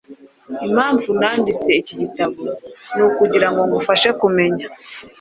Impamvu nanditse iki gitabo ni ukugira ngo ngufashe kumenya